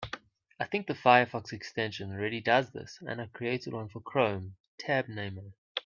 I think the Firefox extension already does this, and I created one for Chrome, Tab Namer.